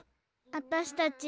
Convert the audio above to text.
あたしたち。